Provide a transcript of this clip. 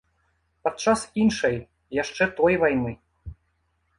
Падчас іншай, яшчэ той вайны.